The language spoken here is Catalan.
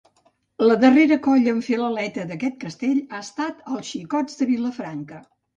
La darrera colla en fer l'aleta d'aquest castell ha estat els Xicots de Vilafranca.